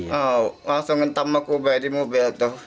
iya langsung ngetam aku di mobil itu